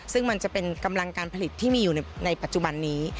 ซึ่งมันจะเป็นกำลังการผลิตที่มีอยู่ในปัจจุบันนี้